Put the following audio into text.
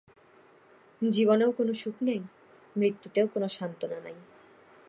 জীবনেও কোনো সুখ নাই, মৃত্যুতেও কোনো সান্ত্বনা নাই।